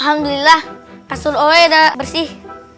alhamdulillah kasur owe udah bersih